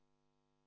bản tin nhanh